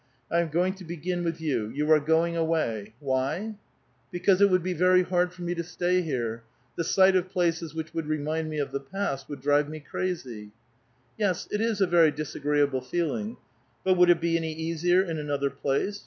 I am going to begin with jou. You are going away. Why?" '* Because it would be very hard for me to stay here. The * sight of places which would remind me of the past would drive me crazv !"'' Yes, it is a ver^* dis^reeable feeliug. But would it be any easier in another place